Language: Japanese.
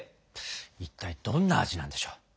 一体どんな味なんでしょう。